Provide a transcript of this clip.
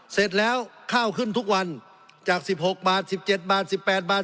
เสร็จแล้วข้าวขึ้นทุกวันจากสิบหกบาทสิบเจ็ดบาทสิบแปดบาท